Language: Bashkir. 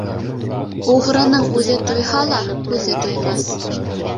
Уғрының үҙе туйһа ла, күҙе туймаҫ.